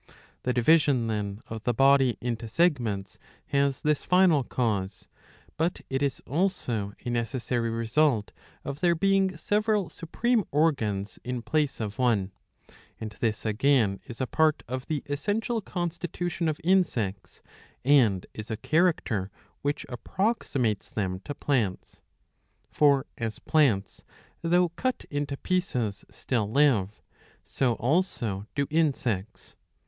The division, then, of the body into segments has this final cause ; but it is also a necessary result of there being several supreme organs in place of one ; and this again is a part of the essential constitution of insects, and is a character, which approximates them to plants. For as plants, though cut into pieces, still live, so also do insects.